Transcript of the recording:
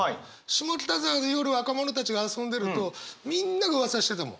下北沢で夜若者たちが遊んでるとみんながうわさしてたもん。